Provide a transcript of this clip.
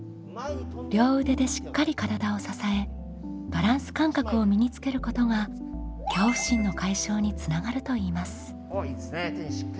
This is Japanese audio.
両腕でしっかり体を支えバランス感覚を身につけることが恐怖心の解消につながるといいます。